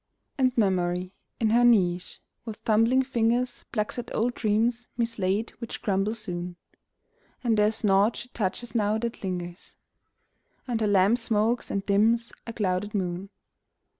And Memory, in her niche, with fumbling fingers Plucks at old dreams mislaid which crumble soon; And th«re is naught she touches now that lingers; And her lamp smokes and dims, a clouded moon.